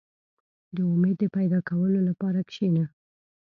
• د امید د پیدا کولو لپاره کښېنه.